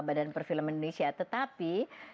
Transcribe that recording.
badan perfilm indonesia tetapi